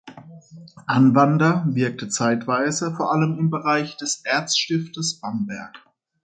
Anwander wirkte zeitweise vor allem im Bereich des Erzstiftes Bamberg.